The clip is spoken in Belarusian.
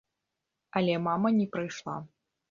Але мама не прыйшла.